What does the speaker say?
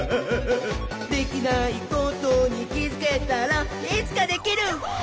「できないことにきづけたらいつかできるひゃっほ」